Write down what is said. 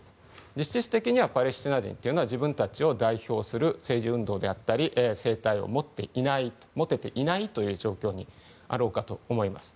実質的にはパレスチナ人は自分たちを代表する政治運動や政体を持てていないという状況にあろうかと思います。